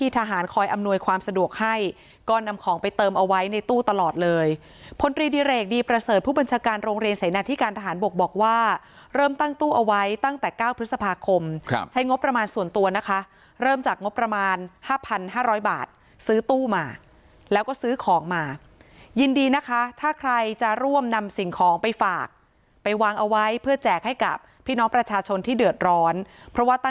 ทหารคอยอำนวยความสะดวกให้ก็นำของไปเติมเอาไว้ในตู้ตลอดเลยพลตรีดิเรกดีประเสริฐผู้บัญชาการโรงเรียนเสนาทิการทหารบกบอกว่าเริ่มตั้งตู้เอาไว้ตั้งแต่เก้าพฤษภาคมใช้งบประมาณส่วนตัวนะคะเริ่มจากงบประมาณห้าพันห้าร้อยบาทซื้อตู้มาแล้วก็ซื้อของมายินดีนะคะถ้าใครจะร่วมนำสิ่งของไปฝากไปวางเอาไว